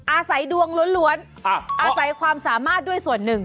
อาศัยดวงล้วนอาศัยความสามารถด้วยส่วนหนึ่ง